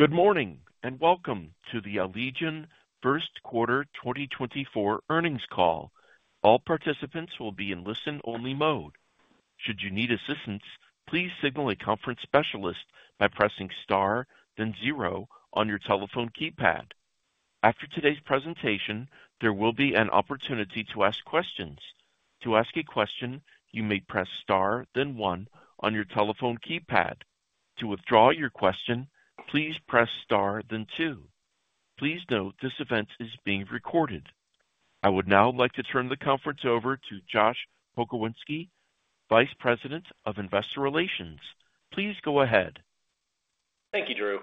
Good morning and welcome to the Allegion First Quarter 2024 earnings call. All participants will be in listen-only mode. Should you need assistance, please signal a conference specialist by pressing star then zero on your telephone keypad. After today's presentation, there will be an opportunity to ask questions. To ask a question, you may press star then one on your telephone keypad. To withdraw your question, please press star then two. Please note this event is being recorded. I would now like to turn the conference over to Josh Pokrzywinski, Vice President of Investor Relations. Please go ahead. Thank you, Drew.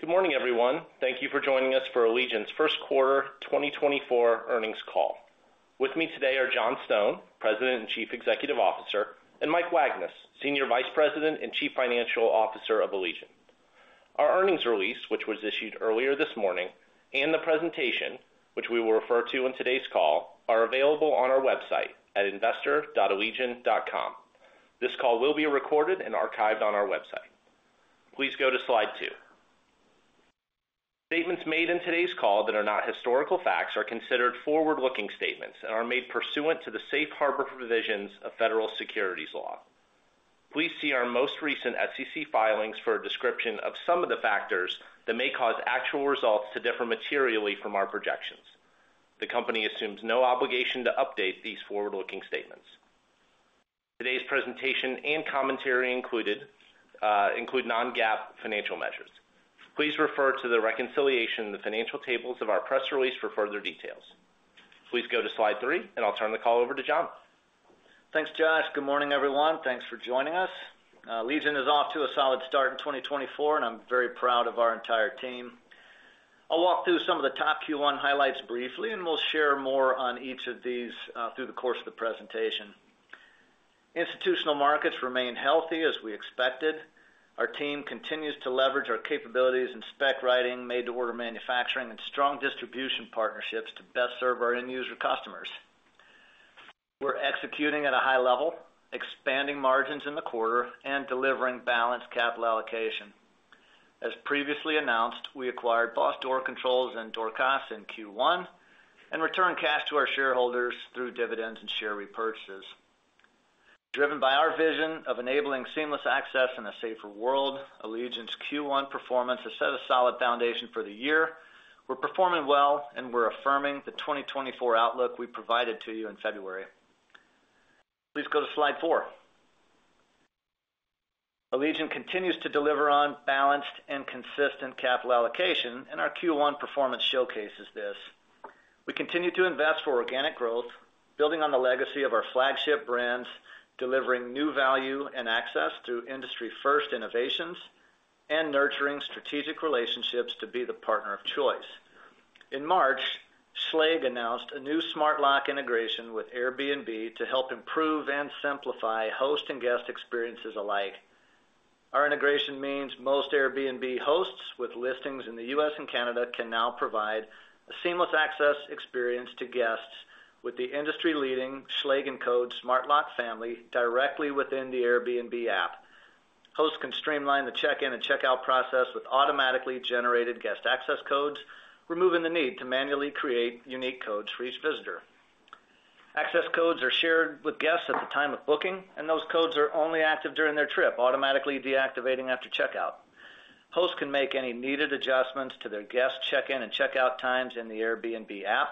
Good morning, everyone. Thank you for joining us for Allegion's First Quarter 2024 earnings call. With me today are John Stone, President and Chief Executive Officer, and Mike Wagnes, Senior Vice President and Chief Financial Officer of Allegion. Our earnings release, which was issued earlier this morning, and the presentation, which we will refer to in today's call, are available on our website at investor.allegion.com. This call will be recorded and archived on our website. Please go to slide 2. Statements made in today's call that are not historical facts are considered forward-looking statements and are made pursuant to the safe harbor provisions of federal securities law. Please see our most recent SEC filings for a description of some of the factors that may cause actual results to differ materially from our projections. The company assumes no obligation to update these forward-looking statements. Today's presentation and commentary include non-GAAP financial measures. Please refer to the reconciliation in the financial tables of our press release for further details. Please go to slide 3, and I'll turn the call over to John. Thanks, Josh. Good morning, everyone. Thanks for joining us. Allegion is off to a solid start in 2024, and I'm very proud of our entire team. I'll walk through some of the top Q1 highlights briefly, and we'll share more on each of these through the course of the presentation. Institutional markets remain healthy, as we expected. Our team continues to leverage our capabilities in spec writing, made-to-order manufacturing, and strong distribution partnerships to best serve our end-user customers. We're executing at a high level, expanding margins in the quarter, and delivering balanced capital allocation. As previously announced, we acquired Boss Door Controls and Dorcas in Q1 and returned cash to our shareholders through dividends and share repurchases. Driven by our vision of enabling seamless access and a safer world, Allegion's Q1 performance has set a solid foundation for the year. We're performing well, and we're affirming the 2024 outlook we provided to you in February. Please go to slide 4. Allegion continues to deliver on balanced and consistent capital allocation, and our Q1 performance showcases this. We continue to invest for organic growth, building on the legacy of our flagship brands, delivering new value and access through industry-first innovations, and nurturing strategic relationships to be the partner of choice. In March, Schlage announced a new Smart Lock integration with Airbnb to help improve and simplify host and guest experiences alike. Our integration means most Airbnb hosts with listings in the U.S. and Canada can now provide a seamless access experience to guests with the industry-leading Schlage Encode Smart Lock family directly within the Airbnb app. Hosts can streamline the check-in and check-out process with automatically generated guest access codes, removing the need to manually create unique codes for each visitor. Access codes are shared with guests at the time of booking, and those codes are only active during their trip, automatically deactivating after checkout. Hosts can make any needed adjustments to their guest check-in and checkout times in the Airbnb app,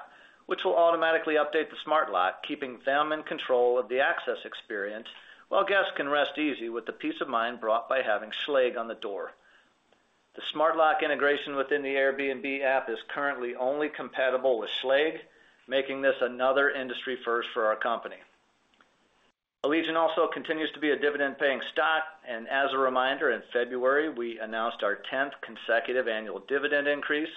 which will automatically update the Smart Lock, keeping them in control of the access experience while guests can rest easy with the peace of mind brought by having Schlage on the door. The Smart Lock integration within the Airbnb app is currently only compatible with Schlage, making this another industry first for our company. Allegion also continues to be a dividend-paying stock, and as a reminder, in February we announced our 10th consecutive annual dividend increase.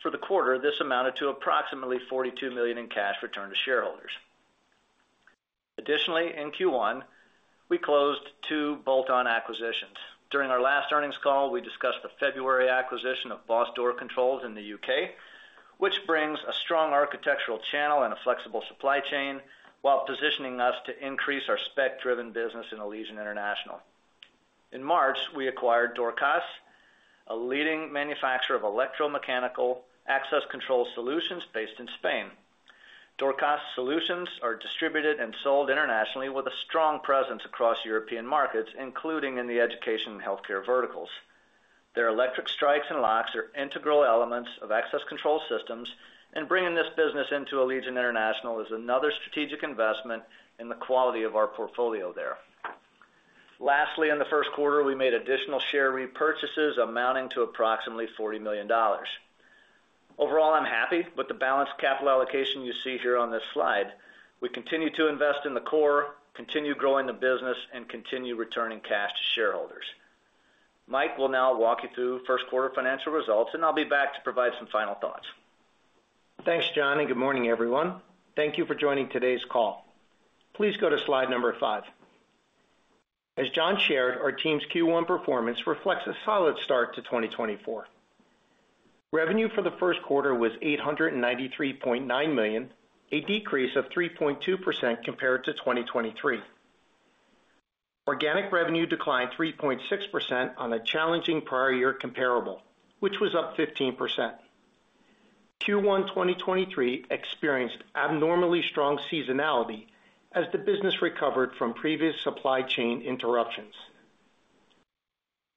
For the quarter, this amounted to approximately $42 million in cash return to shareholders. Additionally, in Q1, we closed two bolt-on acquisitions. During our last earnings call, we discussed the February acquisition of Boss Door Controls in the U.K., which brings a strong architectural channel and a flexible supply chain while positioning us to increase our spec-driven business in Allegion International. In March, we acquired Dorcas, a leading manufacturer of electromechanical access control solutions based in Spain. Dorcas solutions are distributed and sold internationally with a strong presence across European markets, including in the education and healthcare verticals. Their electric strikes and locks are integral elements of access control systems, and bringing this business into Allegion International is another strategic investment in the quality of our portfolio there. Lastly, in the first quarter, we made additional share repurchases amounting to approximately $40 million. Overall, I'm happy with the balanced capital allocation you see here on this slide. We continue to invest in the core, continue growing the business, and continue returning cash to shareholders. Mike will now walk you through first quarter financial results, and I'll be back to provide some final thoughts. Thanks, John, and good morning, everyone. Thank you for joining today's call. Please go to slide number five. As John shared, our team's Q1 performance reflects a solid start to 2024. Revenue for the first quarter was $893.9 million, a decrease of 3.2% compared to 2023. Organic revenue declined 3.6% on a challenging prior-year comparable, which was up 15%. Q1 2023 experienced abnormally strong seasonality as the business recovered from previous supply chain interruptions.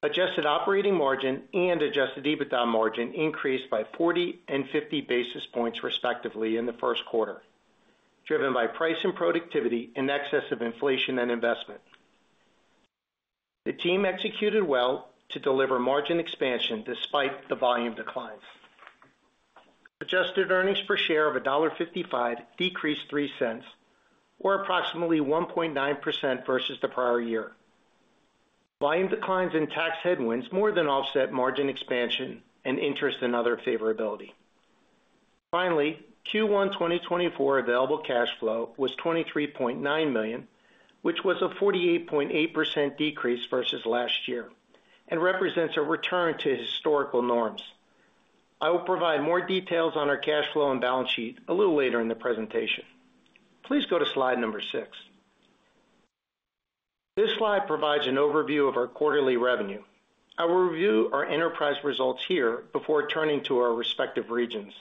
Adjusted operating margin and adjusted EBITDA margin increased by 40 and 50 basis points, respectively, in the first quarter, driven by pricing productivity and excessive inflation and investment. The team executed well to deliver margin expansion despite the volume declines. Adjusted earnings per share of $1.55 decreased $0.03, or approximately 1.9% versus the prior year. Volume declines and tax headwinds more than offset margin expansion and interest and other favorability. Finally, Q1 2024 available cash flow was $23.9 million, which was a 48.8% decrease versus last year and represents a return to historical norms. I will provide more details on our cash flow and balance sheet a little later in the presentation. Please go to slide number six. This slide provides an overview of our quarterly revenue. I will review our enterprise results here before turning to our respective regions.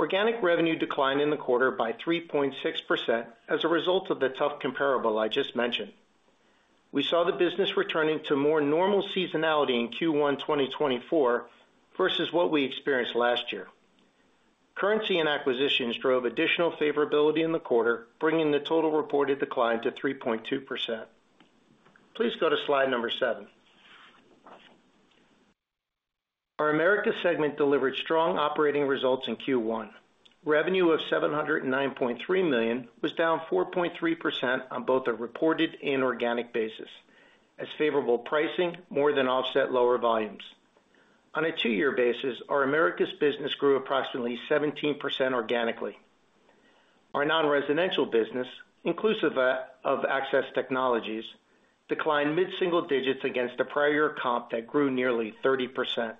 Organic revenue declined in the quarter by 3.6% as a result of the tough comparable I just mentioned. We saw the business returning to more normal seasonality in Q1 2024 versus what we experienced last year. Currency and acquisitions drove additional favorability in the quarter, bringing the total reported decline to 3.2%. Please go to slide number seven. Our America segment delivered strong operating results in Q1. Revenue of $709.3 million was down 4.3% on both a reported and organic basis, as favorable pricing more than offset lower volumes. On a two-year basis, our Americas business grew approximately 17% organically. Our non-residential business, inclusive of Access Technologies, declined mid-single digits against a prior-year comp that grew nearly 30%.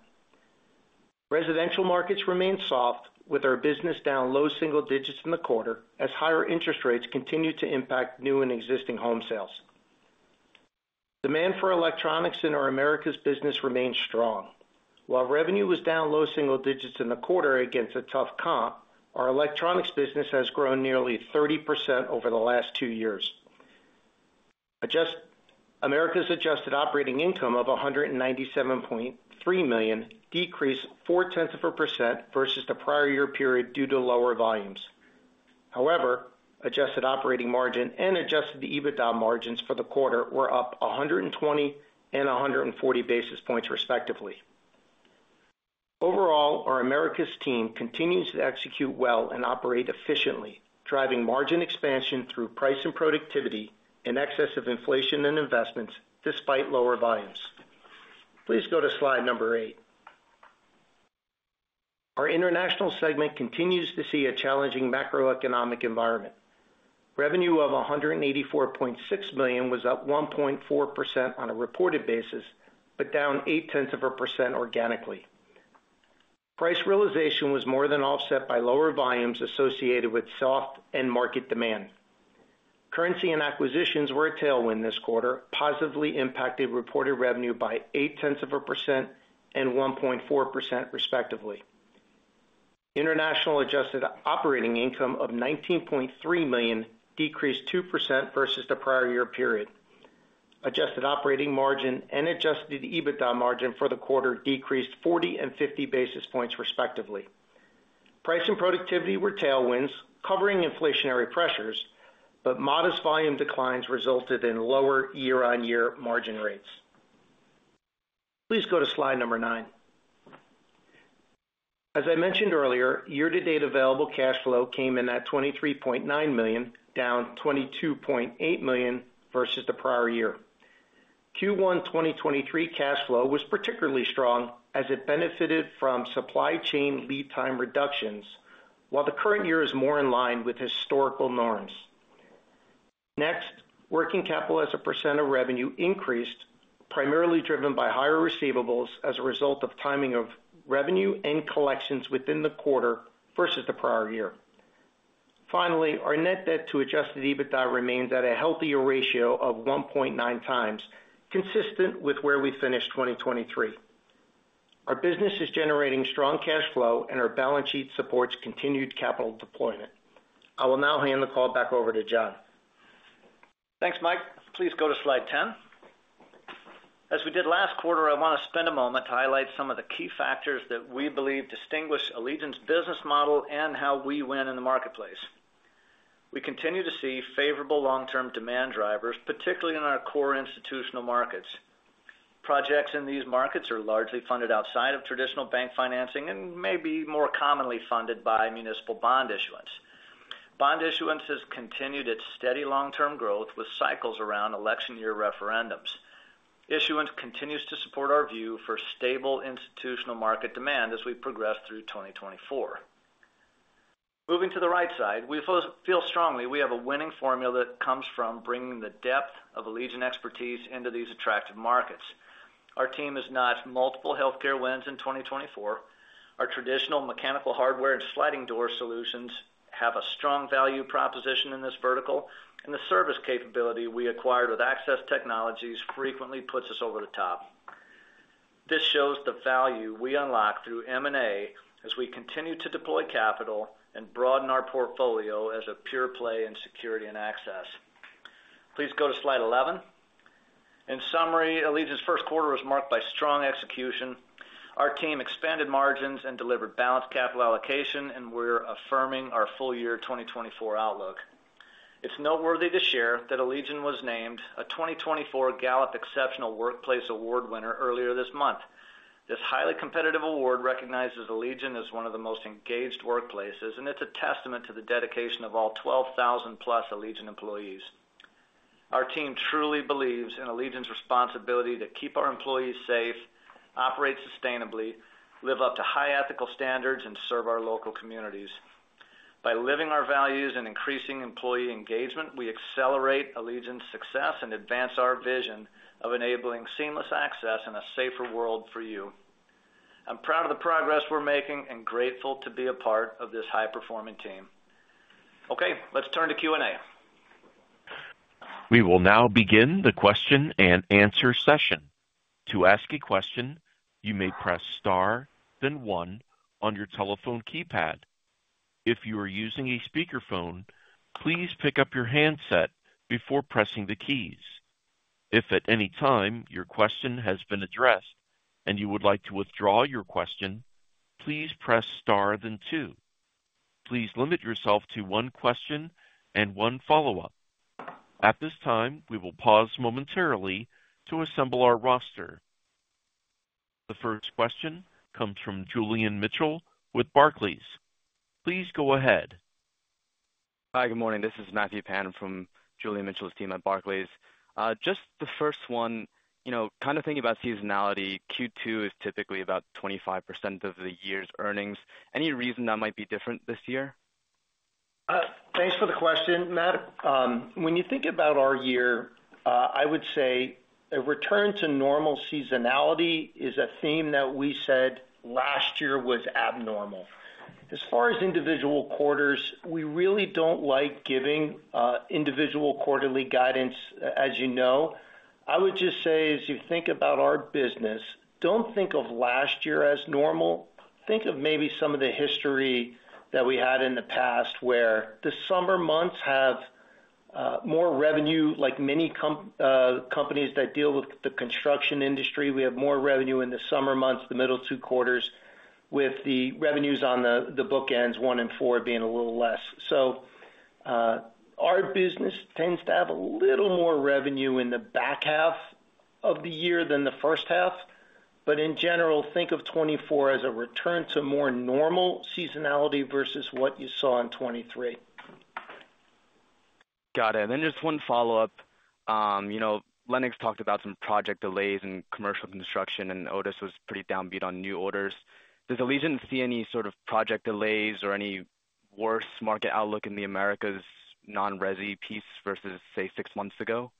Residential markets remained soft, with our business down low single digits in the quarter as higher interest rates continue to impact new and existing home sales. Demand for electronics in our Americas business remains strong. While revenue was down low single digits in the quarter against a tough comp, our electronics business has grown nearly 30% over the last two years. Americas adjusted operating income of $197.3 million decreased 0.4% versus the prior-year period due to lower volumes. However, adjusted operating margin and Adjusted EBITDA margins for the quarter were up 120 and 140 basis points, respectively. Overall, our Americas team continues to execute well and operate efficiently, driving margin expansion through pricing, productivity, and escalating inflation and investments despite lower volumes. Please go to slide number 8. Our international segment continues to see a challenging macroeconomic environment. Revenue of $184.6 million was up 1.4% on a reported basis but down 0.8% organically. Price realization was more than offset by lower volumes associated with soft end-market demand. Currency and acquisitions were a tailwind this quarter, positively impacting reported revenue by 0.8% and 1.4%, respectively. International adjusted operating income of $19.3 million decreased 2% versus the prior-year period. Adjusted operating margin and adjusted EBITDA margin for the quarter decreased 40 and 50 basis points, respectively. Price and productivity were tailwinds, covering inflationary pressures, but modest volume declines resulted in lower year-on-year margin rates. Please go to slide number 9. As I mentioned earlier, year-to-date available cash flow came in at $23.9 million, down $22.8 million versus the prior year. Q1 2023 cash flow was particularly strong as it benefited from supply chain lead time reductions, while the current year is more in line with historical norms. Next, working capital as a % of revenue increased, primarily driven by higher receivables as a result of timing of revenue and collections within the quarter versus the prior year. Finally, our net debt to Adjusted EBITDA remains at a healthier ratio of 1.9 times, consistent with where we finished 2023. Our business is generating strong cash flow, and our balance sheet supports continued capital deployment. I will now hand the call back over to John. Thanks, Mike. Please go to slide 10. As we did last quarter, I want to spend a moment to highlight some of the key factors that we believe distinguish Allegion's business model and how we win in the marketplace. We continue to see favorable long-term demand drivers, particularly in our core institutional markets. Projects in these markets are largely funded outside of traditional bank financing and may be more commonly funded by municipal bond issuance. Bond issuance has continued its steady long-term growth with cycles around election year referendums. Issuance continues to support our view for stable institutional market demand as we progress through 2024. Moving to the right side, we feel strongly we have a winning formula that comes from bringing the depth of Allegion expertise into these attractive markets. Our team has notched multiple healthcare wins in 2024. Our traditional mechanical hardware and sliding door solutions have a strong value proposition in this vertical, and the service capability we acquired with Access Technologies frequently puts us over the top. This shows the value we unlock through M&A as we continue to deploy capital and broaden our portfolio as a pure play in security and access. Please go to slide 11. In summary, Allegion's first quarter was marked by strong execution. Our team expanded margins and delivered balanced capital allocation, and we're affirming our full-year 2024 outlook. It's noteworthy to share that Allegion was named a 2024 Gallup Exceptional Workplace Award winner earlier this month. This highly competitive award recognizes Allegion as one of the most engaged workplaces, and it's a testament to the dedication of all 12,000-plus Allegion employees. Our team truly believes in Allegion's responsibility to keep our employees safe, operate sustainably, live up to high ethical standards, and serve our local communities. By living our values and increasing employee engagement, we accelerate Allegion's success and advance our vision of enabling seamless access and a safer world for you. I'm proud of the progress we're making and grateful to be a part of this high-performing team. Okay, let's turn to Q&A. We will now begin the question and answer session. To ask a question, you may press star, then one, on your telephone keypad. If you are using a speakerphone, please pick up your handset before pressing the keys. If at any time your question has been addressed and you would like to withdraw your question, please press star, then two. Please limit yourself to one question and one follow-up. At this time, we will pause momentarily to assemble our roster. The first question comes from Julian Mitchell with Barclays. Please go ahead. Hi, good morning. This is Matthew Pan from Julian Mitchell's team at Barclays. Just the first one, kind of thinking about seasonality, Q2 is typically about 25% of the year's earnings. Any reason that might be different this year? Thanks for the question, Matt. When you think about our year, I would say a return to normal seasonality is a theme that we said last year was abnormal. As far as individual quarters, we really don't like giving individual quarterly guidance, as you know. I would just say, as you think about our business, don't think of last year as normal. Think of maybe some of the history that we had in the past where the summer months have more revenue, like many companies that deal with the construction industry. We have more revenue in the summer months, the middle two quarters, with the revenues on the book ends, one and four, being a little less. So our business tends to have a little more revenue in the back half of the year than the first half. In general, think of 2024 as a return to more normal seasonality versus what you saw in 2023. Got it. And then just one follow-up. Lennox talked about some project delays in commercial construction, and Otis was pretty downbeat on new orders. Does Allegion see any sort of project delays or any worse market outlook in the Americas non-resi piece versus, say, six months ago?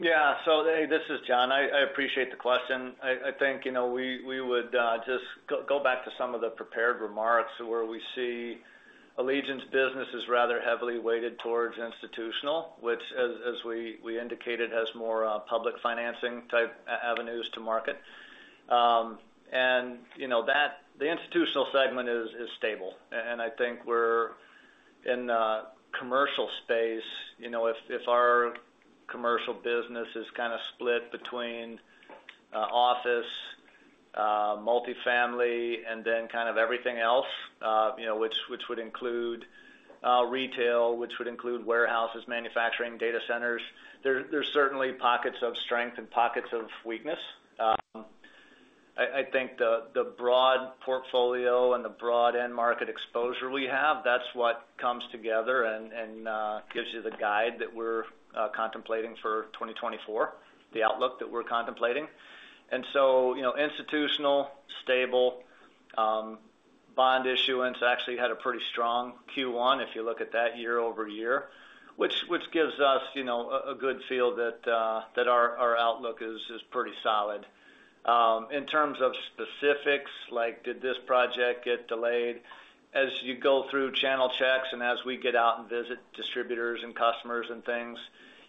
Yeah, so this is John. I appreciate the question. I think we would just go back to some of the prepared remarks where we see Allegion's business is rather heavily weighted towards institutional, which, as we indicated, has more public financing-type avenues to market. The institutional segment is stable. I think we're in the commercial space. Our commercial business is kind of split between office, multifamily, and then kind of everything else, which would include retail, which would include warehouses, manufacturing, data centers. There's certainly pockets of strength and pockets of weakness. I think the broad portfolio and the broad end-market exposure we have, that's what comes together and gives you the guide that we're contemplating for 2024, the outlook that we're contemplating. So institutional, stable. Bond issuance actually had a pretty strong Q1, if you look at that, year-over-year, which gives us a good feel that our outlook is pretty solid. In terms of specifics, like did this project get delayed? As you go through channel checks and as we get out and visit distributors and customers and things,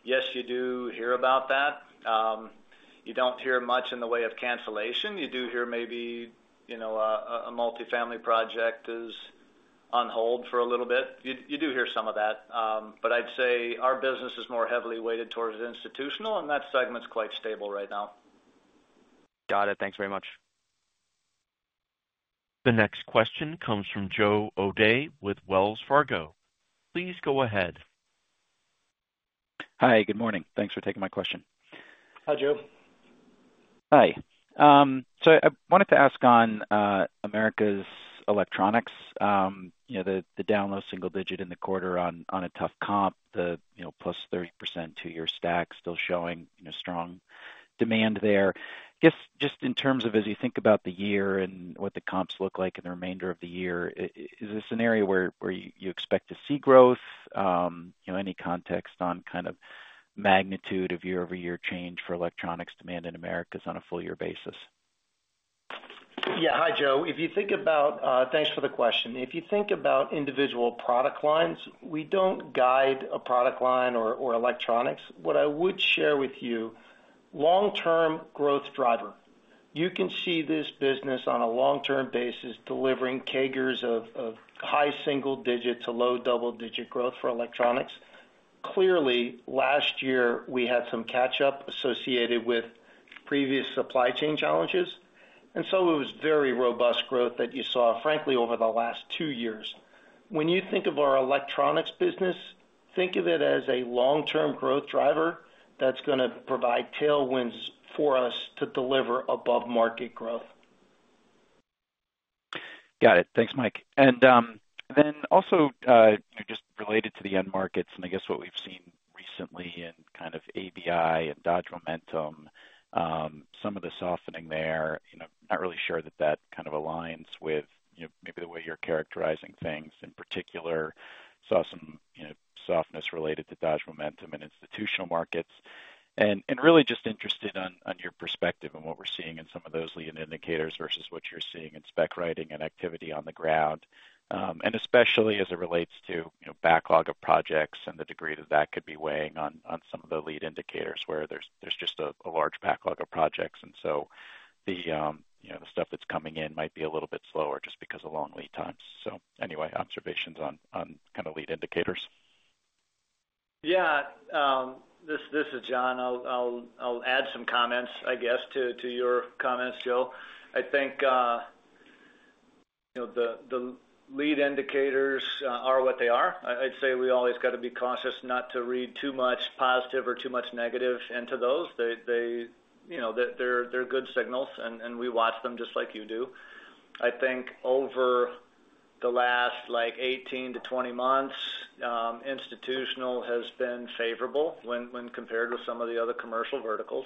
yes, you do hear about that. You don't hear much in the way of cancellation. You do hear maybe a multifamily project is on hold for a little bit. You do hear some of that. But I'd say our business is more heavily weighted towards institutional, and that segment's quite stable right now. Got it. Thanks very much. The next question comes from Joe O'Day with Wells Fargo. Please go ahead. Hi, good morning. Thanks for taking my question. Hi, Joe. Hi. So I wanted to ask on Americas electronics, the down low-single-digit in the quarter on a tough comp, the +30% two-year stack still showing strong demand there. I guess just in terms of as you think about the year and what the comps look like in the remainder of the year, is this an area where you expect to see growth? Any context on kind of magnitude of year-over-year change for electronics demand in Americas on a full-year basis? Yeah, hi, Joe. Thanks for the question. If you think about individual product lines, we don't guide a product line or electronics. What I would share with you, long-term growth driver. You can see this business on a long-term basis delivering CAGRs of high single digit to low double-digit growth for electronics. Clearly, last year, we had some catch-up associated with previous supply chain challenges. And so it was very robust growth that you saw, frankly, over the last two years. When you think of our electronics business, think of it as a long-term growth driver that's going to provide tailwinds for us to deliver above-market growth. Got it. Thanks, Mike. And then also just related to the end markets and I guess what we've seen recently in kind of ABI and Dodge Momentum, some of the softening there. Not really sure that that kind of aligns with maybe the way you're characterizing things. In particular, saw some softness related to Dodge Momentum in Institutional markets. And really just interested on your perspective and what we're seeing in some of those lead indicators versus what you're seeing in spec writing and activity on the ground, and especially as it relates to backlog of projects and the degree that that could be weighing on some of the lead indicators where there's just a large backlog of projects. And so the stuff that's coming in might be a little bit slower just because of long lead times. So anyway, observations on kind of lead indicators. Yeah, this is John. I'll add some comments, I guess, to your comments, Joe. I think the lead indicators are what they are. I'd say we always got to be cautious not to read too much positive or too much negative into those. They're good signals, and we watch them just like you do. I think over the last 18-20 months, institutional has been favorable when compared with some of the other commercial verticals.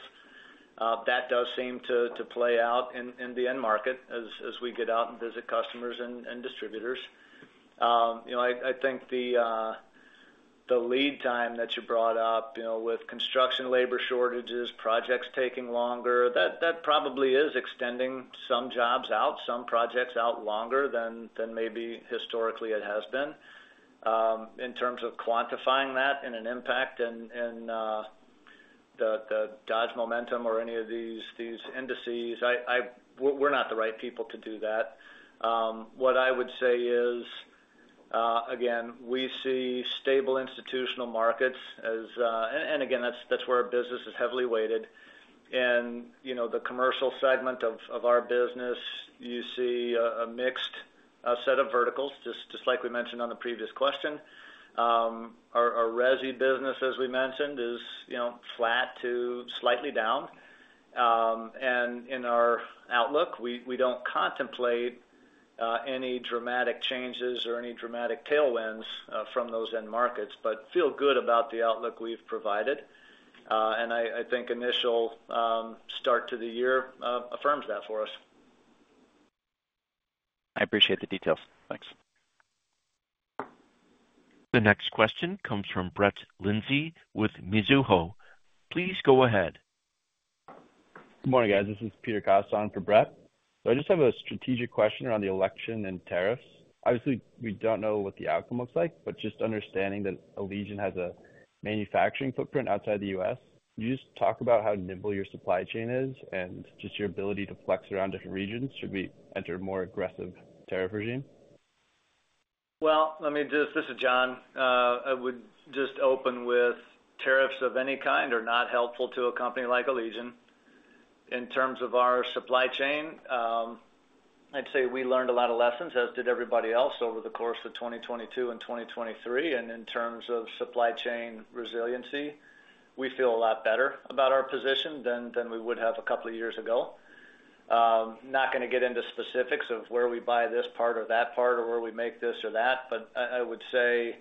That does seem to play out in the end market as we get out and visit customers and distributors. I think the lead time that you brought up with construction labor shortages, projects taking longer, that probably is extending some jobs out, some projects out longer than maybe historically it has been. In terms of quantifying that in an impact in the Dodge Momentum or any of these indices, we're not the right people to do that. What I would say is, again, we see stable institutional markets, and again, that's where our business is heavily weighted. In the commercial segment of our business, you see a mixed set of verticals, just like we mentioned on the previous question. Our Resi business, as we mentioned, is flat to slightly down. In our outlook, we don't contemplate any dramatic changes or any dramatic tailwinds from those end markets but feel good about the outlook we've provided. I think initial start to the year affirms that for us. I appreciate the details. Thanks. The next question comes from Brett Linzey with Mizuho. Please go ahead. Good morning, guys. This is Peter Costa for Brett. So I just have a strategic question around the election and tariffs. Obviously, we don't know what the outcome looks like, but just understanding that Allegion has a manufacturing footprint outside the U.S., can you just talk about how nimble your supply chain is and just your ability to flex around different regions? Should we enter a more aggressive tariff regime? Well, this is John. I would just open with tariffs of any kind are not helpful to a company like Allegion. In terms of our supply chain, I'd say we learned a lot of lessons, as did everybody else, over the course of 2022 and 2023. In terms of supply chain resiliency, we feel a lot better about our position than we would have a couple of years ago. Not going to get into specifics of where we buy this part or that part or where we make this or that, but I would say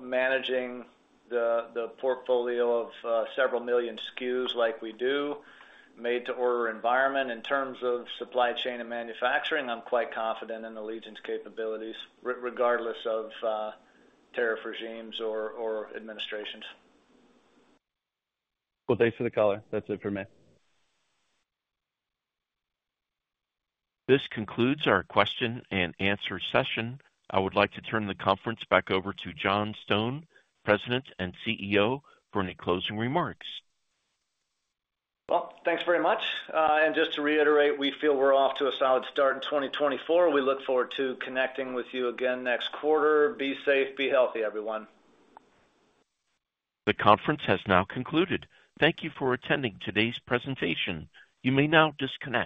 managing the portfolio of several million SKUs like we do, made-to-order environment, in terms of supply chain and manufacturing, I'm quite confident in Allegion's capabilities, regardless of tariff regimes or administrations. Well, thanks for the caller. That's it from me. This concludes our question and answer session. I would like to turn the conference back over to John Stone, President and CEO, for any closing remarks. Well, thanks very much. Just to reiterate, we feel we're off to a solid start in 2024. We look forward to connecting with you again next quarter. Be safe. Be healthy, everyone. The conference has now concluded. Thank you for attending today's presentation. You may now disconnect.